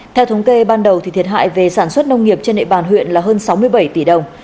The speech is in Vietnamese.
theo thống kê ban đầu thiệt hại về sản xuất nông nghiệp trên địa bàn huyện là hơn sáu mươi bảy tỷ đồng